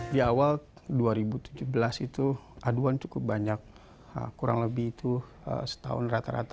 di awal dua ribu tujuh belas itu aduan cukup banyak kurang lebih itu setahun rata rata